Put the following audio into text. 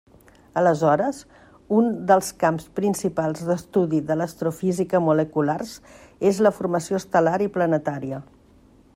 Aleshores, un dels camps principals d'estudi de l'astrofísica moleculars és la formació estel·lar i planetària.